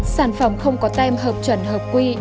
sản phẩm không có tem hợp chuẩn hợp quy